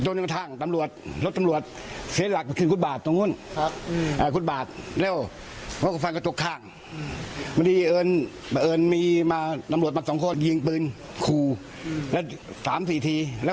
แล้วไม่ร่มแล้วส่วนทางวิ่งออกไปนี่วิ่งนี้เข้าป่า